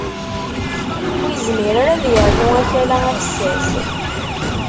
Ur yezmir ara ad yernu akala afessas.